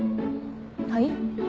はい？